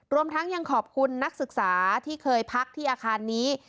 รวมทั้งยังขอบคุณนักศึกษาที่เคยพักที่อาคารนี้